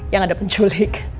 yang ada penculik